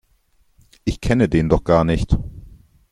Ich kenne den doch gar nicht!